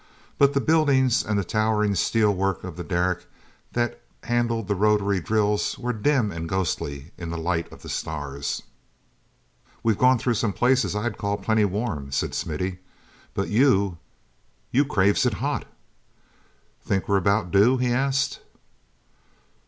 But the buildings and the towering steelwork of the derrick that handled the rotary drills were dim and ghostly in the light of the stars. "We've gone through some places I'd call plenty warm," said Smithy, "but you—you craves it hot! Think we're about due?" he asked.